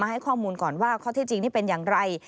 ให้ข้อมูลก่อนว่าข้อที่จริงนี่เป็นอย่างไร